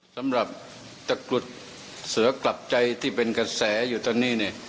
สำหรับตะกรุดเสือกลับใจที่เป็นกระแสอยู่ตอนนี้เนี่ย